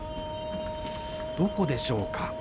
どこでしょうかね。